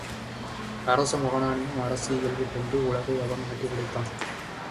அரச மகனாகியும் அசுர இயல்பு கொண்டு உலகை அவன் ஆட்டிப்படைத்தான்.